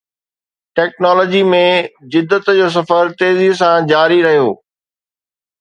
ٽيڪنالاجيءَ ۾ جدت جو سفر تيزيءَ سان جاري رهيو